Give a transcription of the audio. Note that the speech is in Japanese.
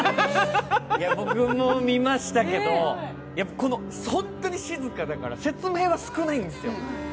僕も見ましたけど、本当に静かだから説明は少ないんですよ。